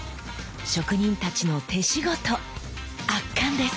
職人たちの手仕事圧巻です！